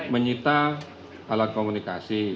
menyita alat komunikasi